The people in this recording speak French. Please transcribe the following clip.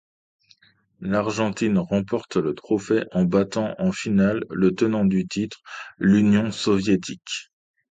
L'Argentine remporte le trophée en battant en finale le tenant du titre, l'Union soviétique.